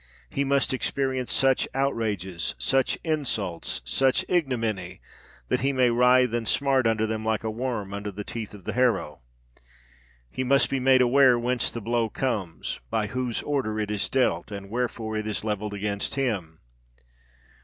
"He must experience such outrages—such insults—such ignominy,—that he may writhe and smart under them like a worm under the teeth of the harrow. He must be made aware whence the blow comes—by whose order it is dealt—and wherefore it is levelled against him.